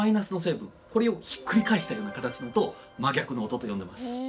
これをひっくり返したような形の音を「真逆の音」と呼んでます。